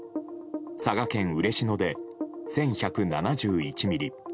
佐賀県嬉野で１１７１ミリ